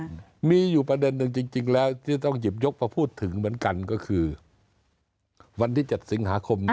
อืมมีอยู่ประเด็นหนึ่งจริงจริงแล้วที่ต้องหยิบยกมาพูดถึงเหมือนกันก็คือวันที่เจ็ดสิงหาคมเนี้ย